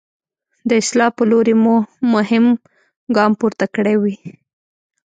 د اصلاح په لوري مو مهم ګام پورته کړی وي.